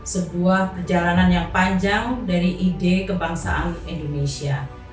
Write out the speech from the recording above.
sebuah perjalanan yang panjang dari ide kebangsaan indonesia